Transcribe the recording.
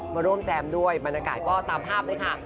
มาร่วมแจมด้วยบรรยากาศก็ตามภาพเลยค่ะ